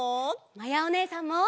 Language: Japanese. まやおねえさんも！